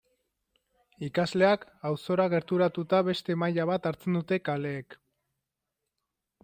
Ikasleak auzora gerturatuta beste maila bat hartzen dute kaleek.